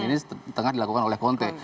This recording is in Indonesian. itu yang dilakukan oleh conte